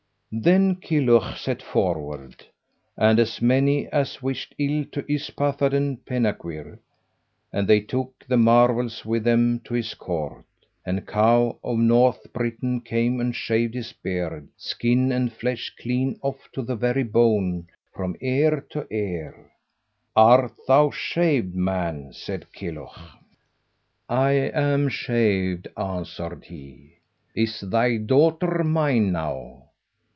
Then Kilhuch set forward, and as many as wished ill to Yspathaden Penkawr. And they took the marvels with them to his court. And Kaw of North Britain came and shaved his beard, skin and flesh clean off to the very bone from ear to ear. "Art thou shaved, man?" said Kilhuch. "I am shaved," answered he. "Is thy daughter mine now?"